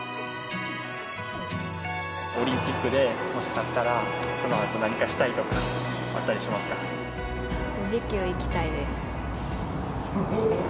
オリンピックでもし勝ったら、そのあと何かしたいとか、富士急行きたいです。